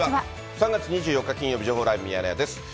３月２４日金曜日情報ライブミヤネ屋です。